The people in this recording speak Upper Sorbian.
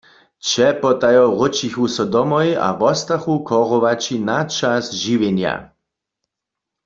Třepotajo wróćichu so domoj a wostachu chorowaći na čas žiwjenja.